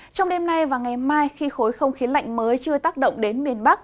trong đêm nay và ngày mai khi khối không khí lạnh mới chưa tác động đến miền bắc